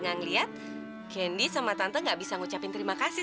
tante dan kendi tidak bisa mengucapkan terima kasih